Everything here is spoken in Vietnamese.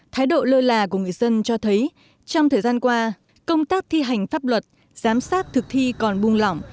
thái độ lơi là của người dân cho thấy trong thời gian qua công tác thi hành pháp luật giám sát thực thi còn bung lỏng